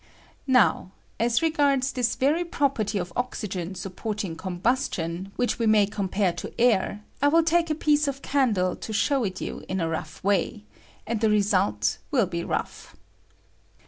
Now, as regards this very property of oxygen Iaupporting combustion, which we may compare to air, I will take a piece of candle to show it i 114 COMBUSTION OF A CANDLE IN OXYGEN. you in a. rough way — and the result will be rough.